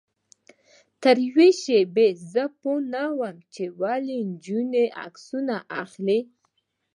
تر یوې شېبې زه پوی نه وم چې ولې نجونې عکسونه اخلي.